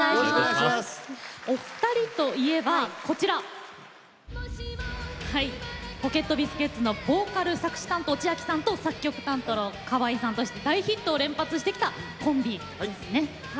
お二人といえば、こちらポケットビスケッツのボーカルと作詞担当・千秋さんと作曲担当の河合さんということで大ヒットを連発してきたコンビです。